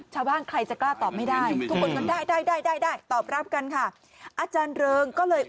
ชาวบ้านใครจะกล้าตอบไม่ได้